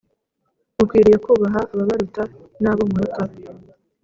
mukwiriye kubaha ababaruta nabo muruta